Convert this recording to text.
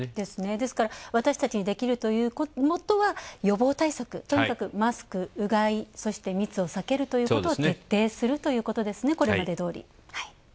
ですから私たちにできることは予防対策、とにかくマスク、うがい、そして密を避けることを徹底するということですね。